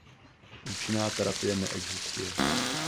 Účinná terapie neexistuje.